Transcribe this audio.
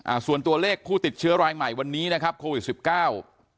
อ่าส่วนตัวเลขผู้ติดเชื้อรายใหม่วันนี้นะครับโควิดสิบเก้า